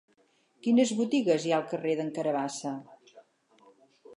Quines botigues hi ha al carrer d'en Carabassa?